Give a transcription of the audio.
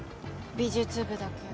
美術部だけど。